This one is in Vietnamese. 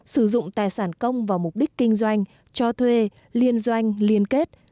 sử dụng tài sản công vào mục đích kinh doanh cho thuê liên doanh liên kết